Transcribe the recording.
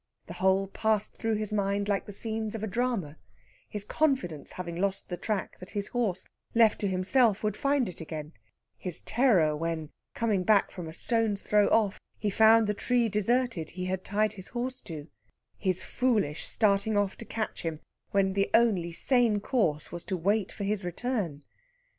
The whole passed through his mind like the scenes of a drama his confidence, having lost the track, that his horse, left to himself, would find it again; his terror when, coming back from a stone's throw off, he found the tree deserted he had tied his horse to; his foolish starting off to catch him, when the only sane course was to wait for his return.